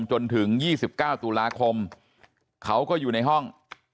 จนถึง๒๙ตุลาคมเขาก็อยู่ในห้อง